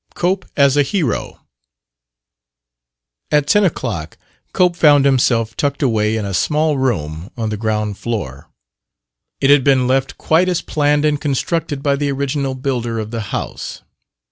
30 COPE AS A HERO At ten o'clock Cope found himself tucked away in a small room on the ground floor. It had been left quite as planned and constructed by the original builder of the house.